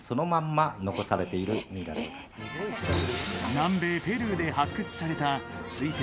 南米ペルーで発掘された推定